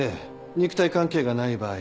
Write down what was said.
肉体関係がない場合